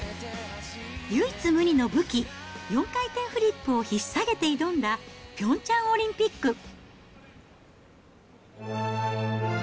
唯一無二の武器、４回転フリップをひっ提げて挑んだピョンチャンオリンピック。